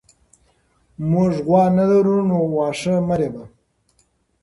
موږ غوا نه لرو نو واښه مه رېبه.